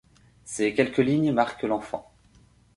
Ces quelques lignes marquent l'enfant.